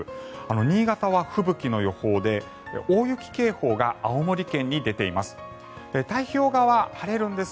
新潟は吹雪の予報で大雪警報が青森県に出ています。